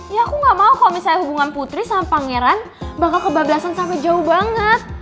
ya aku gak mau kalau misalnya hubungan putri sama pangeran bakal kebablasan sampai jauh banget